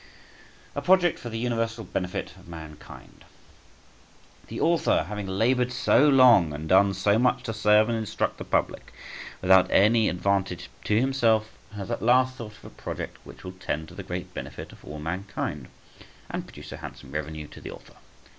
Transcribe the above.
A PROJECT FOR THE UNIVERSAL BENEFIT OF MANKIND. The author, having laboured so long and done so much to serve and instruct the public, without any advantage to himself, has at last thought of a project which will tend to the great benefit of all mankind, and produce a handsome revenue to the author.